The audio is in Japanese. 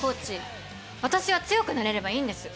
私は強くなれればいいんです。